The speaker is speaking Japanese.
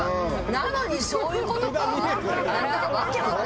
なのにそういう事か？